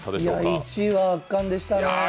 １位は圧巻でしたね。